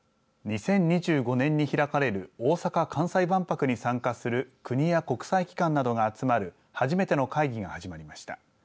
２０２５年に開かれる大阪・関西万博に参加する国や国際機関などが集まる初めての会議が始まりました。